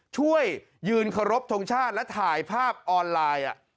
ช่วยยืนเคารพทงชาติและถ่ายภาพออนไลน์